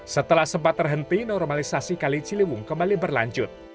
setelah sempat terhenti normalisasi kali ciliwung kembali berlanjut